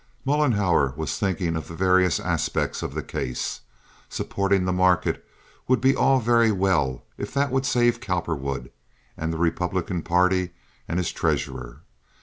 Mollenhauer was thinking of the various aspects of the case. Supporting the market would be all very well if that would save Cowperwood, and the Republican party and his treasurer.